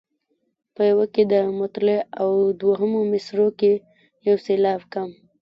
په یوه کې په مطلع او دوهمو مصرعو کې یو سېلاب کم.